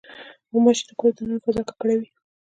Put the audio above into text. غوماشې د کور د دننه فضا ککړوي.